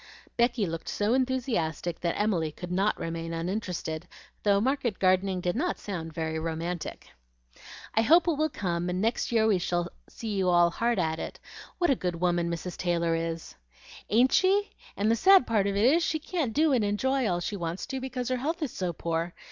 Becky looked so enthusiastic that Emily could not remain uninterested, though market gardening did not sound very romantic. "I hope it will come, and next year we shall see you all hard at it. What a good woman Mrs. Taylor is!" "Ain't she? and the sad part of it is, she can't do and enjoy all she wants to, because her health is so poor.